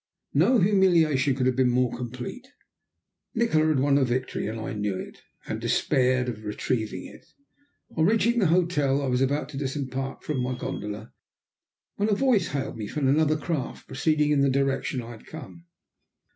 No humiliation could have been more complete. Nikola had won a victory, and I knew it, and despaired of retrieving it. On reaching the hotel I was about to disembark from my gondola, when a voice hailed me from another craft, proceeding in the direction I had come.